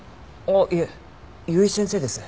あっいえ由井先生です。